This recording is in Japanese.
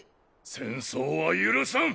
戦争は許さん！